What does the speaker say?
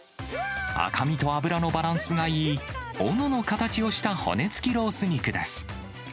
赤身と脂のバランスがいい、おのの形をした骨付きロース肉です。